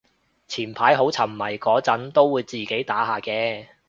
前排好沉迷嗰陣都會自己打下嘅